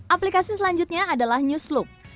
aplikasi selanjutnya adalah newsloop